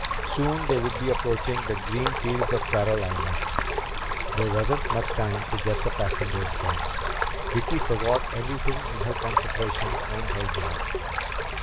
Soon they would be approaching the green fields of the Carolinas. There wasn't much time to get the passengers fed. Vicki forgot everything in her concentration on her job.